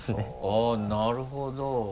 あぁなるほど。